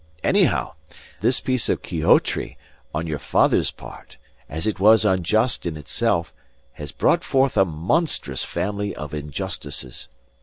Anyhow, this piece of Quixotry on your father's part, as it was unjust in itself, has brought forth a monstrous family of injustices.